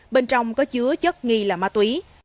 bên trong có chứa chất nghi là ma túy